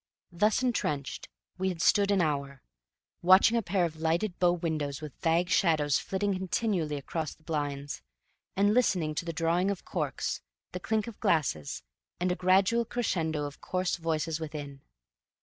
Thus entrenched, we had stood an hour, watching a pair of lighted bow windows with vague shadows flitting continually across the blinds, and listening to the drawing of corks, the clink of glasses, and a gradual crescendo of coarse voices within.